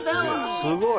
すごい！